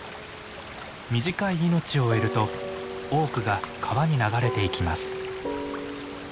短い命を終えると多くが川に流れていきます。